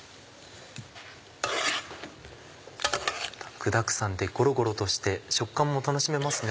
具だくさんでゴロゴロとして食感も楽しめますね。